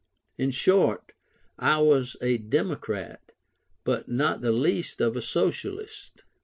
In short, I was a democrat, but not the least of a Socialist.